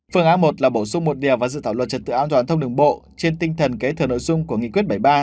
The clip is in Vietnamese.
phương án một là bổ sung một điều và dự thảo luật trật tự an toàn thông đường bộ trên tinh thần kế thừa nội dung của nghị quyết bảy mươi ba